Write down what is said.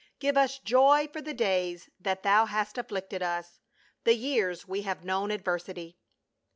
Give us joy for the days that thou hast afflicted us, The years we have known adversity."